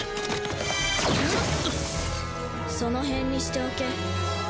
その辺にしておけ。